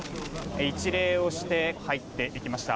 一礼をして入っていきました。